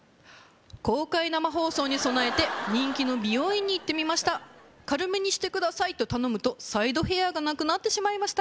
公開生放送に備えて人気の美容院に行ってみました軽めにしてくださいと頼むとサイドヘアがなくなってしまいました